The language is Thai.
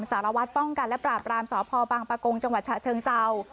สารวัตรป้องกันและปราบรามสพบังปะกงจังหวัดฉะเชิงเศร้า